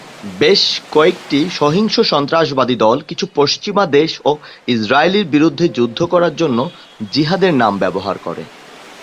বেশ কয়েকটি সহিংস সন্ত্রাসবাদী দল কিছু পশ্চিমা দেশ ও ইসরাইলের বিরুদ্ধে যুদ্ধ করার জন্য জিহাদের নাম ব্যবহার করে।